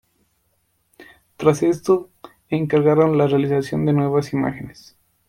Tras esto encargaron la realización de nuevas imágenes.